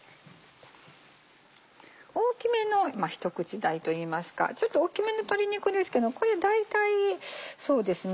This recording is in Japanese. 大きめの一口大といいますかちょっと大きめの鶏肉ですけど大体そうですね